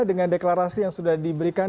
dengan deklarasi yang sudah diberikan